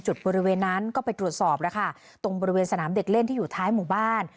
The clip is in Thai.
บริเวณนั้นก็ไปตรวจสอบแล้วค่ะตรงบริเวณสนามเด็กเล่นที่อยู่ท้ายหมู่บ้าน